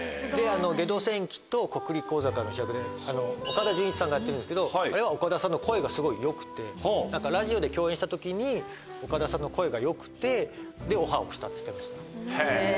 『ゲド戦記』と『コクリコ坂』の主役で岡田准一さんがやってるんですけどあれは岡田さんの声がすごい良くてラジオで共演した時に岡田さんの声が良くてオファーをしたって言ってました。